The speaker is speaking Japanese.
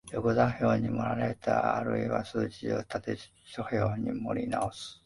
横座標に盛られた或る数値を縦座標に盛り直す